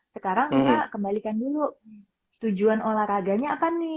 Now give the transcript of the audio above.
sekarang kita kembalikan dulu tujuan olahraganya apa nih